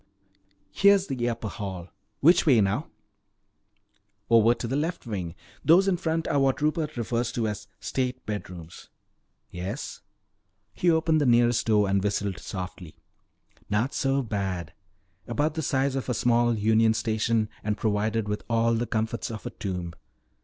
Here's the upper hall. Which way now?" "Over to the left wing. These in front are what Rupert refers to as 'state bedrooms.'" "Yes?" He opened the nearest door and whistled softly. "Not so bad. About the size of a small union station and provided with all the comforts of a tomb.